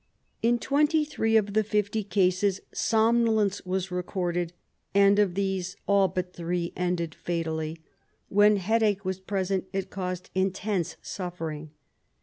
In 23 of the fifty cases somnolence was recorded, and of these all but three ended fatally ; when headache was present it caused intense suffering.